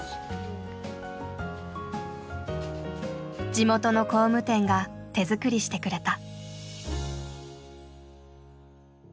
地元の工務店が手作りしてくれた。